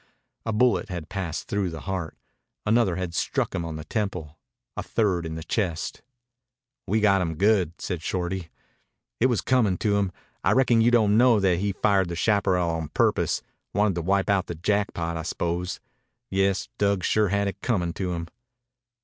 A bullet had passed through the heart. Another had struck him on the temple, a third in the chest. "We got him good," said Shorty. "It was comin' to him. I reckon you don't know that he fired the chaparral on purpose. Wanted to wipe out the Jackpot, I s'pose. Yes, Dug sure had it comin' to him."